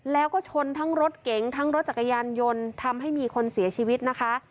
แล้วก็ชนทั้งรถเก๋งทั้งรถจักรยานยนต์ทำให้มีคนเสียชีวิตนะคะ